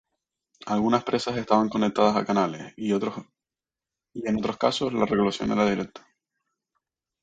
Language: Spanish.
Algunas presas estaban conectadas a canales y en otros casos la recolección era directa.